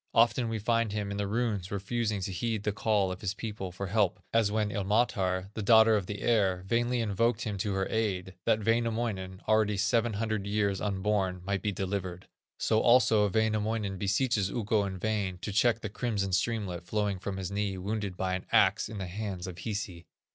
Often we find him, in the runes, refusing to heed the call of his people for help, as when Ilmatar, the daughter of the air, vainly invoked him to her aid, that Wainamoinen, already seven hundred years unborn, might be delivered. So also Wainamoinen beseeches Ukko in vain to check the crimson streamlet flowing from his knee wounded by an axe in the hands of Hisi.